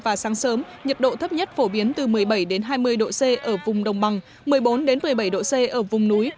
và sáng sớm nhiệt độ thấp nhất phổ biến từ một mươi bảy hai mươi độ c ở vùng đồng bằng một mươi bốn một mươi bảy độ c ở vùng núi